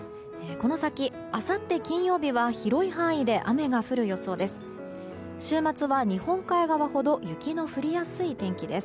この先、あさって金曜日は広い範囲で雨が降る予想です。